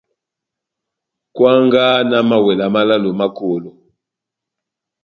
Kwangaha na mawela málálo má kolo.